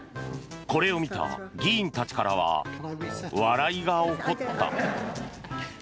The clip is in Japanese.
これを見た議員たちからは笑いが起こった。